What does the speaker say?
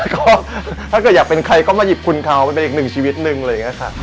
ก็ถ้าเกิดอยากเป็นใครก็มาหยิบคุณเขาเป็นอีกหนึ่งชีวิตหนึ่งเลยนะคะ